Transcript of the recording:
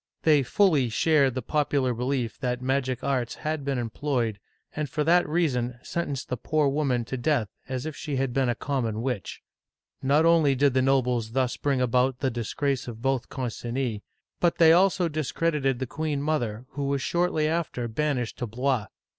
They fully shared the popular belief that magic arts had been employed, and for that reason sentenced the poor woman to death as if she had been a common witch. Not only did the nobles thus bring about the disgrace of both Concinis, but they also discredited the queen mother, who was shortly after banished to Blois.